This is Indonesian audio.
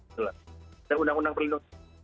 dan undang undang perlindungan